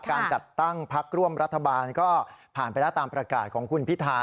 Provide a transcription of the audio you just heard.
การจัดตั้งพักร่วมรัฐบาลก็ผ่านไปแล้วตามประกาศของคุณพิธา